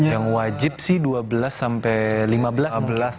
yang wajib sih dua belas sampai lima belas